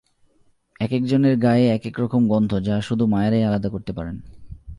একেকজনের গায়ে একেকরকম গন্ধ যা শুধু মায়েরাই আলাদা করতে পারেন।